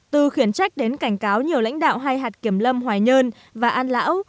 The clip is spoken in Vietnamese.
từ khiển trách đến cảnh cáo nhiều lãnh đạo hai hạt kiểm lâm hoài nhơn và an lão